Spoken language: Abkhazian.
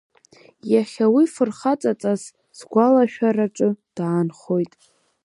Иахьа уи фырхаҵаҵас сгәалашәараҿы даанхоит.